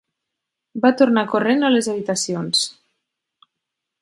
Va tornar corrent a les habitacions.